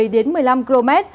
một mươi đến một mươi năm km